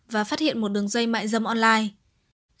và phát hiện một đường dây mại dâm online